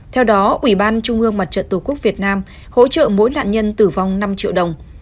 theo đó ủy ban trung ương mặt trận tổ quốc việt nam hỗ trợ mỗi nạn nhân tử vong năm triệu đồng